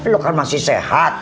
lu kan masih sehat